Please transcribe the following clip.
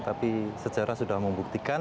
tapi sejarah sudah membuktikan